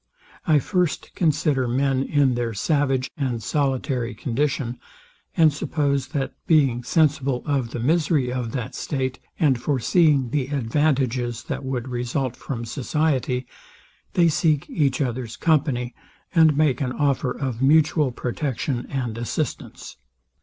I first consider men in their savage and solitary condition; and suppose, that being sensible of the misery of that state, and foreseeing the advantages that would result from society, they seek each other's company, and make an offer of mutual protection and assistance.